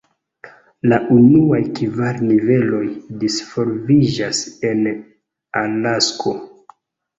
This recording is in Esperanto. La unuaj kvar niveloj disvolviĝas en Alasko.